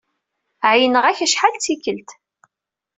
Ɛeyyneɣ-ak acḥal d tikkelt.